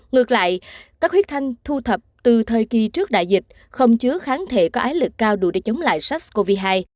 ngược lại các huyết thanh thu thập từ thời kỳ trước đại dịch không chứa kháng thể có ái lực cao đủ để chống lại sars cov hai